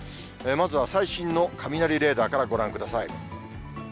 まずは最新の雷レーダーからご覧ください。